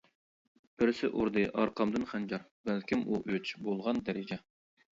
بىرسى ئۇردى ئارقامدىن خەنجەر، بەلكىم ئۇ ئۈچ بولغان دەرىجە.